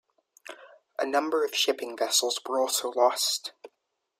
A number of shipping vessels were also lost.